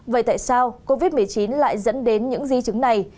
vậy tại sao covid một mươi chín lại dẫn đến những di chứng này